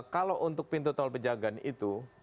kalau untuk pintu tol pejagan itu